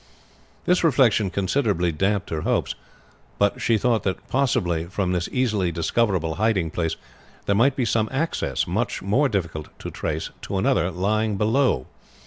This reflection considerably damped her hopes; but she thought that possibly from this easily discoverable hiding place there might be some access, much more difficult to trace, to another lying below.